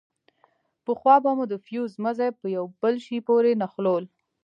پخوا به مو د فيوز مزي په يوه بل شي پورې نښلول.